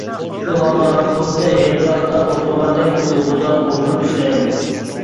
شۇ ھالدا، خۇددى ھېيتگاھتا ئولتۇرغاندەك تۇيغۇدا ئولتۇرۇپ ئىشلەيمەن.